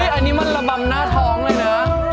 อันนี้มันระบำหน้าท้องเลยนะ